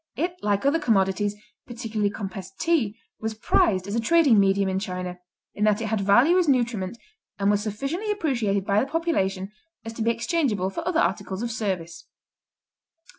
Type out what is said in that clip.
It, like other commodities, particularly compressed tea, was prized as a trading medium in China, in that it had value as nutriment and was sufficiently appreciated by the population as to be exchangeable for other articles of service."